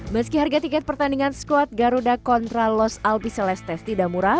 meski harga tiket pertandingan squad garuda kontra los albi celest tidak murah